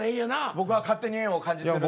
僕は勝手に縁を感じてるんすけど。